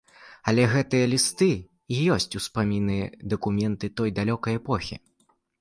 Але гэтыя лісты і ёсць ўспаміны, дакументы той далёкай эпохі.